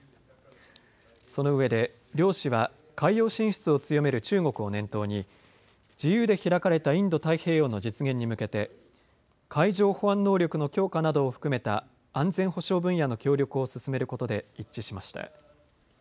その上で両氏は海洋進出を強める中国を念頭に自由で開かれたインド太平洋の実現に向けて海上保安能力の強化などを含めた安全保障分野の協力を進めることで一致しました。